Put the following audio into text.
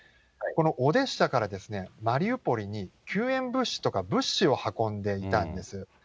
このオデッサからマリウポリに救援物資とか物資を運んでいたんです。